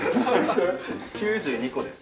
９２個です。